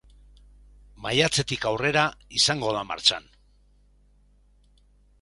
Maiatzetik aurrera izango da martxan.